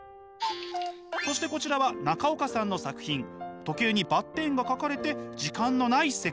そしてこちらは時計にバッテンが描かれて「時間のない世界」。